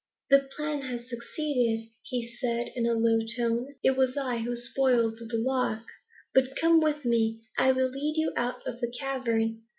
"The plan has succeeded," he said in a low tone. "It was I who spoiled the lock. But come with me. I will lead you out of the cavern."